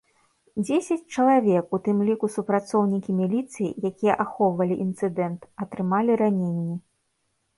Дзесяць чалавек, у тым ліку супрацоўнікі міліцыі, якія ахоўвалі інцыдэнт, атрымалі раненні.